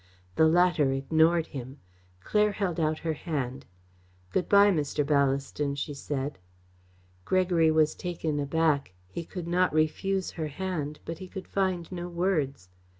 The latter ignored him; Claire held out her hand. "Good by, Mr. Ballaston," she said. Gregory was taken aback. He could not refuse her hand, but he could find no words. Mrs.